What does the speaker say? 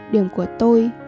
điểm của tôi